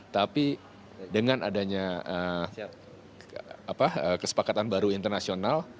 tapi dengan adanya kesepakatan baru internasional